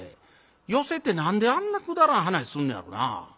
寄席て何であんなくだらん噺すんのやろな。